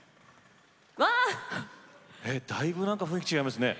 わあ！えだいぶ雰囲気違いますね。